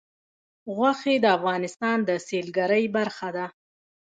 غوښې د افغانستان د سیلګرۍ برخه ده.